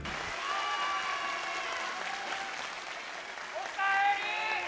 おかえり！